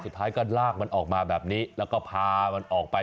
สุดท้ายก็ลากมันออกมาแบบนี้แล้วก็พามันออกไป